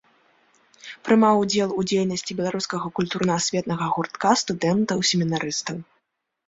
Прымаў удзел у дзейнасці беларускага культурна-асветнага гуртка студэнтаў-семінарыстаў.